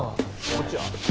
こっちは？